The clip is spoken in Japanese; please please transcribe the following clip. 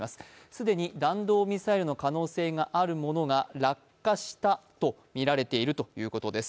既に弾道ミサイルの可能性のあるものが落下したとみられているということです。